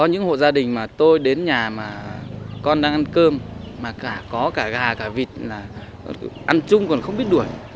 những hộ gia đình mà tôi đến nhà mà con đang ăn cơm mà cả có cả gà cả vịt là ăn chung còn không biết đuổi